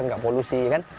tidak polusi kan